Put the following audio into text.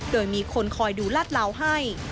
โดยมีคนคอยดูลาดเหลาให้